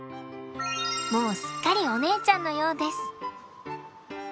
もうすっかりお姉ちゃんのようです。